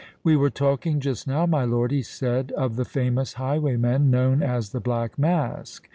"We were talking just now, my lord," he said, "of the famous highwayman known as the Black Mask.